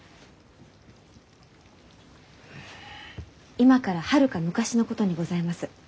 今からはるか昔のことにございます。